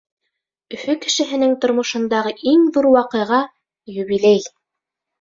Өфө кешеһенең тормошондағы иң ҙур ваҡиға — юбилей.